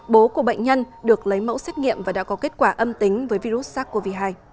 bố của bệnh nhân được lấy mẫu xét nghiệm và đã có kết quả âm tính với virus sars cov hai